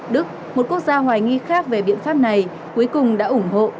đức một quốc gia hoài nghi khác về biện pháp này cuối cùng đã ủng hộ